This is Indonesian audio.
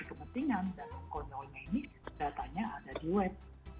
dan kononnya ini datanya ada di web